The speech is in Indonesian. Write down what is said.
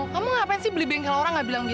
kamu ngapain sih beli bengkel orang gak bilang gitu